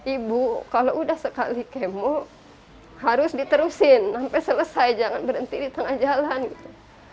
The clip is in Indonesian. ibu kalau udah sekali kemo harus diterusin sampai selesai jangan berhenti di tengah jalan gitu